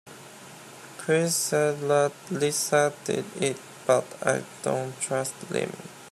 Chris said that Lisa did it but I dont trust him.